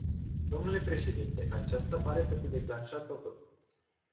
Dle președinte, aceasta pare să fi declanșat totul.